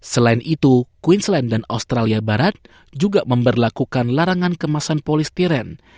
selain itu queensland dan australia barat juga memperlakukan larangan kemasan polistiren